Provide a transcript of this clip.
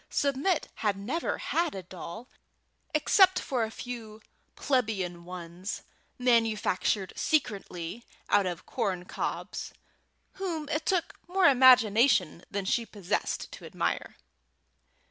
Submit had never had a doll, except a few plebeian ones, manufactured secretly out of corncobs, whom it took more imagination than she possessed to admire.